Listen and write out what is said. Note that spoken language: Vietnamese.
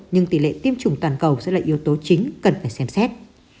nhưng tỷ lệ tiêm chủng toàn cầu sẽ là yếu tố chính cần phải xem xét